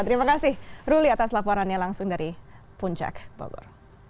terima kasih ruli atas laporannya langsung dari puncak bogor